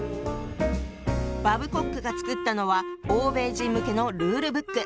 バブコックが作ったのは欧米人向けのルールブック。